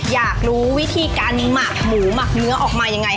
อยากรู้วิธีการหมักหมูหมักเนื้อออกมายังไง